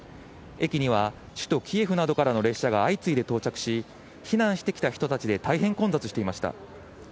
駅には、首都キエフなどからの列車が相次いで到着し、避難してきた人たちで大変混雑していました。